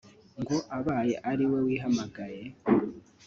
ngo abaye ariwe wihamagaye